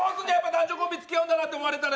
男女コンビつきあうんだろって思われたら。